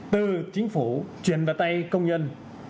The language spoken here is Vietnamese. từ chính phủ chuyển vào tay công nhân